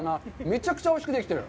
めちゃくちゃおいしくできてる。